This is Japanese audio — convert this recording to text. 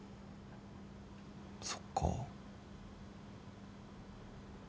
そっかぁ。